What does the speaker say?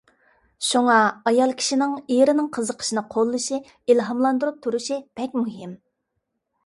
شۇڭا ئايال كىشىنىڭ ئېرىنىڭ قىزىقىشىنى قوللىشى، ئىلھاملاندۇرۇپ تۇرۇشى بەك مۇھىم.